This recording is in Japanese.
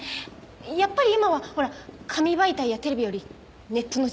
やっぱり今はほら紙媒体やテレビよりネットの時代だから。